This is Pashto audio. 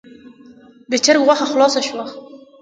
د چرګ غوښه خلاصه شوه.